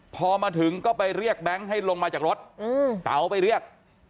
พอมาถึงก็ไปเรียกแบงค์ให้ลงมาจากรถเต๋าไปเรียก